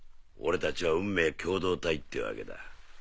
俺たちは運命共同体ってわけだ。